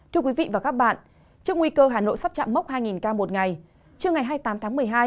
trước nguy cơ hà nội sắp chạm mốc hai ca một ngày trước ngày hai mươi tám tháng một mươi hai